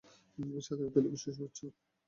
স্বাধীনতা দিবসের শুভেচ্ছা।